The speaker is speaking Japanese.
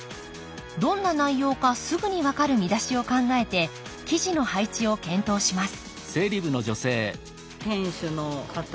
どんな内容かすぐに分かる見出しを考えて記事の配置を検討します